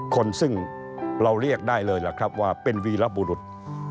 คนซึ่งเราเรียกได้เลยล่ะครับว่าเป็นวีรบุรุษ